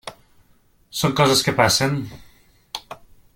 Són coses que passen.